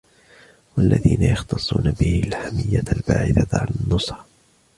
وَاَلَّذِي يَخْتَصُّونَ بِهِ الْحَمِيَّةُ الْبَاعِثَةُ عَلَى النُّصْرَةِ